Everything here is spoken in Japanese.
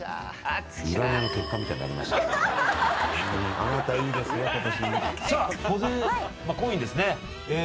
あなたいいですよ今年。